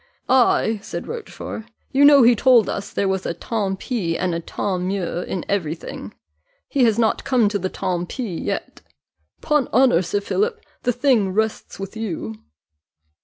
"Ay," said Rochfort, "you know he told us there was a tant pis and a tant mieux in every thing he's not come to the tant pis yet. 'Pon honour, Sir Philip, the thing rests with you."